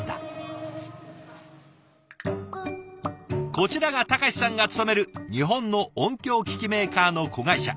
こちらが貴さんが勤める日本の音響機器メーカーの子会社。